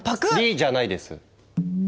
じゃないです。